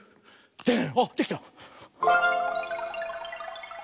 あっできた！